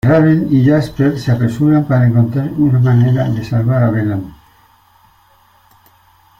Raven y Jasper se apresuran para encontrar una manera de salvar a Bellamy.